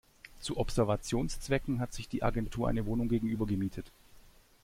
Zu Observationszwecken hat sich die Agentur eine Wohnung gegenüber gemietet.